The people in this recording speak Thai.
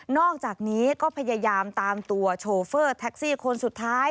อกจากนี้ก็พยายามตามตัวโชเฟอร์แท็กซี่คนสุดท้าย